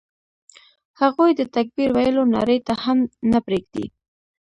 هغوی د تکبیر ویلو نارې ته هم نه پرېږدي.